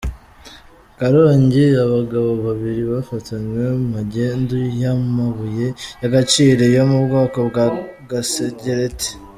Karongi: Abagabo babiri bafatanywe magendu y’amabuye y’agaciro yo mu bwoko bwa Gasegereti.